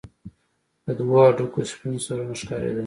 د دوو هډوکو سپين سرونه ښكارېدل.